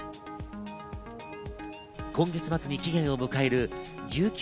今月末に期限を迎える１９